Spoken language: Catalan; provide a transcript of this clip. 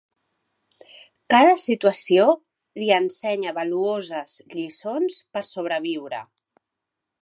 Cada situació li ensenya valuoses lliçons per sobreviure.